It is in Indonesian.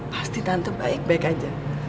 pasti tante baik baik aja